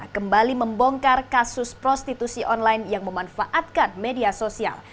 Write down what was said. kembali membongkar kasus prostitusi online yang memanfaatkan media sosial